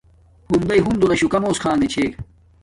ہندݵ ہنزو نا شوکا موس کھانݣگے چھے